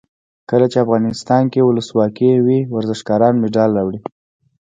کله چې افغانستان کې ولسواکي وي ورزشکاران مډال راوړي.